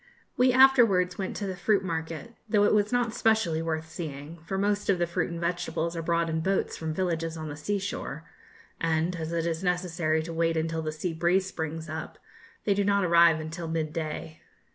We afterwards went to the fruit market, though it was not specially worth seeing, for most of the fruit and vegetables are brought in boats from villages on the sea shore; and, as it is necessary to wait until the sea breeze springs up, they do not arrive until midday.